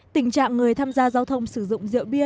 tình trạng người tham gia giao thông sử dụng rượu bia